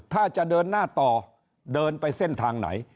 ถ้าจะเดินหน้าต่อเดินไปเส้นทางไหน